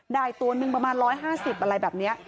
ตัวหนึ่งประมาณ๑๕๐อะไรแบบนี้